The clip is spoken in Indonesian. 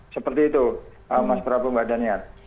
seperti itu mas prabu mbak daniar